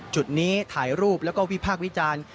จุดนี้ถ่ายรูปแล้วก็วิพากษ์วิจารณ์